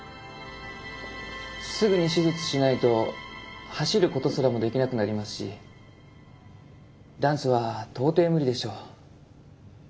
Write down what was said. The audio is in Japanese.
すぐに手術しないと走ることすらもできなくなりますしダンスは到底無理でしょう。